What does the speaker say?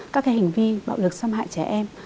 các cái hành vi bạo lực xâm hại trẻ em